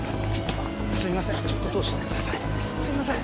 すいません